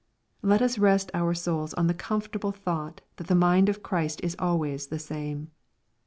Lei us rest our souls on the comfortable thought that the mind of Christ is always the same.